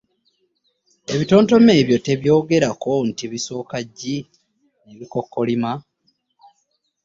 Ebitontome ebyo tubyogerako nti bisooka ggi ne bikookolima.